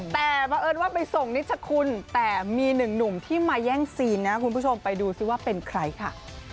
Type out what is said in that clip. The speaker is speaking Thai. แต่บังเอิญว่าไปส่งนิชคุณแต่มีหนึ่งหนุ่มที่มาแย่งซีนนะคุณผู้ชมไปดูซิว่าเป็นใครค่ะ